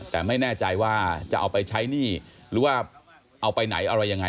แต่ไม่แน่ใจว่าจะเอาไปใช้หนี้หรือว่าเอาไปไหนอะไรยังไง